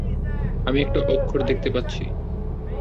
আমি একটা অক্ষর দেখতে পাচ্ছি।